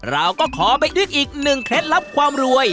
เราก็ขอไปนึกอีกหนึ่งเคล็ดลับความรวย